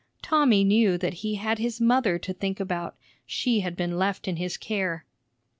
Tommy knew that he had his mother to think about; she had been left in his care.